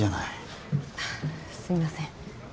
すいません。